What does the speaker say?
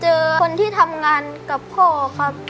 คนที่ทำงานกับพ่อครับ